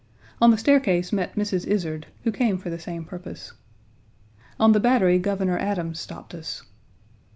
On the staircase met Mrs. Izard, who came for the same purpose. On the Battery Governor Adams 2 stopped us.